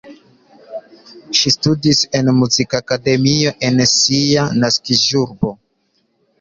Ŝi studis en Muzikakademio en sia naskiĝurbo.